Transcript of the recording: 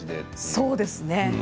そうですね。